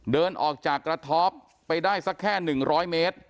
เดินออกจากกระท็อปไปได้สักแค่๑๐๐เมตร